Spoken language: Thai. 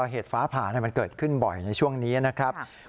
เหตุฟ้าผ่ามันเกิดขึ้นบ่อยในช่วงนี้นะครับ